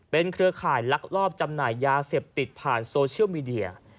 เครือข่ายลักลอบจำหน่ายยาเสพติดผ่านโซเชียลมีเดีย